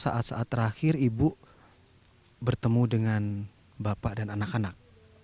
saat saat terakhir ibu bertemu dengan bapak dan anak anak